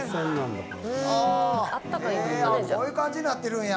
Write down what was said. あぁへぇこういう感じになってるんや。